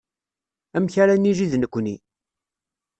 Amek ara nili d nekkni.